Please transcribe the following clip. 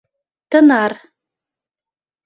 Тынар.